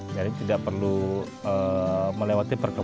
jadi tidak perlu melewati perlengkapan